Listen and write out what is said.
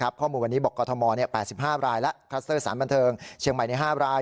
บอกว่าอันนี้ข้อมูลกอทม๘๕รายแล้วคลัสเตอร์สถานบนเทิงเชียงใหม่๕ราย